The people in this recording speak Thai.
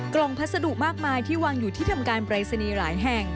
กล่องพัสดุมากมายที่วางอยู่ที่ทำการปรายศนีย์หลายแห่ง